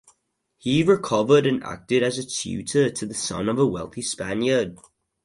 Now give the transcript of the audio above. He recovered and acted as a tutor to the son of a wealthy Spaniard.